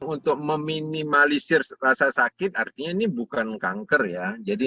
untuk meminimalisir rasa sakit artinya ini bukan kanker ya